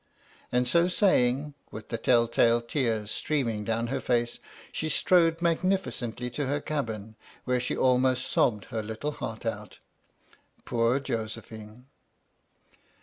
And so saying, with the tell tale tears streaming down her face, she strode magnificently to her cabin, where she almost sobbed her little heart out. Poor Josephine!